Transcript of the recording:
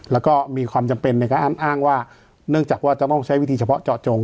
แล้วก็มีความจำเป็นในการอ้างว่าเนื่องจากว่าจะต้องใช้วิธีเฉพาะเจาะจง